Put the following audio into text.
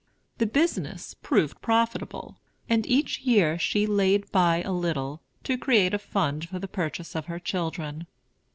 The business proved profitable; and each year she laid by a little, to create a fund for the purchase of her children.